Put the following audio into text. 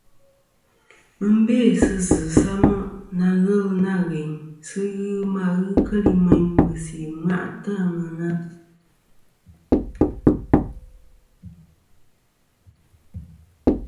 Mɨ n-bê sɨ zɨ̀ samoʼ na ghelɨ nâ ghèyn sɨ ghɨ ma ghɨ keli meyn mèsì ɨ̀mwaʼtɨ ɨ àŋena.